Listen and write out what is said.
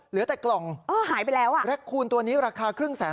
เหลือแต่กล่องเออหายไปแล้วอ่ะแร็คคูณตัวนี้ราคาครึ่งแสน